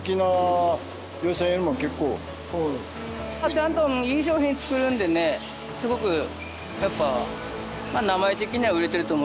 ちゃんといい商品作るんでねすごくやっぱ名前的には売れてると思います。